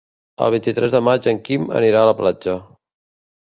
El vint-i-tres de maig en Quim anirà a la platja.